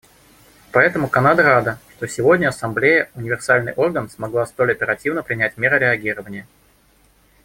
Поэтому Канада рада, что сегодня Ассамблея, универсальный орган, смогла столь оперативно принять меры реагирования.